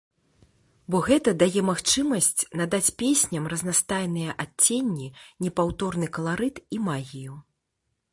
Бо гэта дае магчымасць надаць песням разнастайныя адценні, непаўторны каларыт і магію.